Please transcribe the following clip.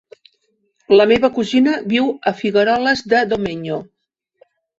La meva cosina viu a Figueroles de Domenyo.